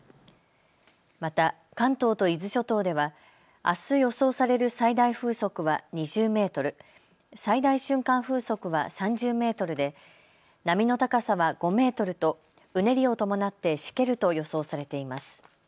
また関東と伊豆諸島ではあす予想される最大風速は２０メートル、最大瞬間風速は３０メートルで波の高さは５メートルとうねりを伴ってしけると予想されています。